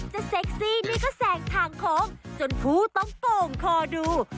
เซ็กซี่นี่ก็แสงทางโค้งจนผู้ต้องโป่งคอดู